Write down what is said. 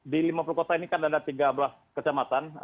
di lima puluh kota ini kan ada tiga belas kecamatan